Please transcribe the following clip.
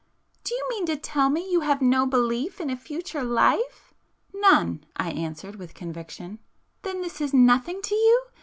Do you mean to tell me you have no belief in a future life?" "None." I answered with conviction. "Then this is nothing to you?